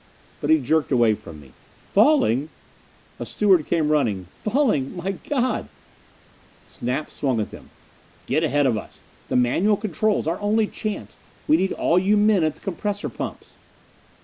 But he jerked away from me. "Falling?" A steward came running. "Falling? My God!" Snap swung at them. "Get ahead of us! The manual controls our only chance we need all you men at the compressor pumps!"